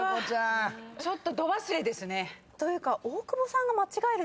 ちょっと度忘れですね。というか。